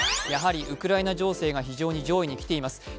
やはりウクライナ情勢が非常に上位に来ています。